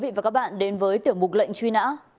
xin chào quý vị và các bạn đến với tiểu mục lệnh truy nã